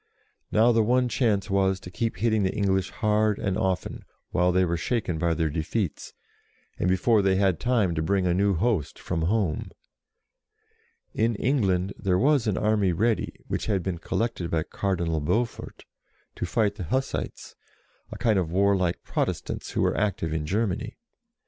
Now the one chance was to keep hitting the English hard and often, while they were shaken by their defeats, and before they had time to bring a new host from home. In England there was an army ready, which had been collected by Cardinal Beaufort, to fight the Hussites, a kind of warlike Protestants who were active in Germany.